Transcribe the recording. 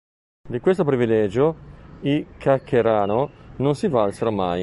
Di questo privilegio i Cacherano non si valsero mai.